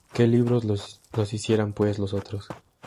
Que los libros los hicieran, pues, los otros.